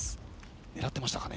狙っていましたかね。